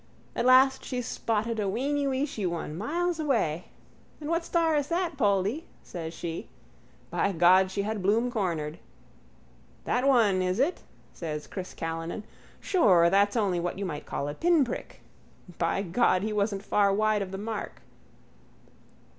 At last she spotted a weeny weeshy one miles away. And what star is that, Poldy? says she. By God, she had Bloom cornered. That one, is it? says Chris Callinan, sure that's only what you might call a pinprick. By God, he wasn't far wide of the mark.